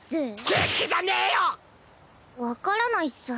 元気じゃねぇよ！分からないっス。